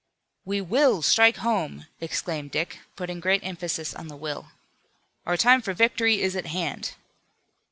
"We will strike home!" exclaimed Dick, putting great emphasis on the "will." "Our time for victory is at hand."